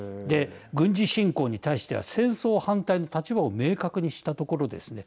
軍事侵攻に対しては戦争反対の立場を明確にしたところですね